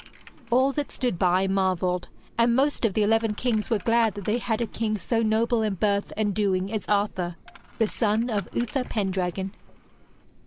All that stood by marvelled, and most of the eleven kings were glad that they had a king so noble in birth and doing as Arthur, the son of Uther Pendragon.